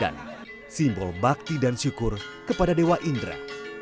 perang pandan simbol bakti dan syukur kepada dewa indra